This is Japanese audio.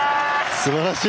すばらしい。